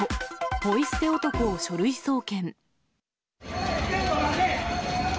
ぽい捨て男を書類送検。